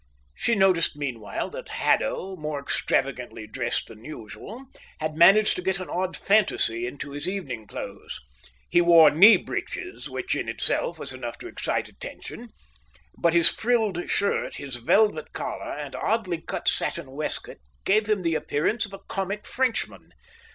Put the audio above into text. She noticed meanwhile that Haddo, more extravagantly dressed than usual, had managed to get an odd fantasy into his evening clothes: he wore knee breeches, which in itself was enough to excite attention; but his frilled shirt, his velvet collar, and oddly cut satin waistcoat gave him the appearance of a comic Frenchman.